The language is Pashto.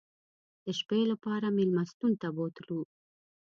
د شپې لپاره مېلمستون ته بوتلو.